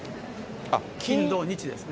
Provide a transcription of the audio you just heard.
金、土、日ですね。